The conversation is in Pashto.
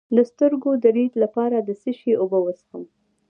د سترګو د لید لپاره د څه شي اوبه وڅښم؟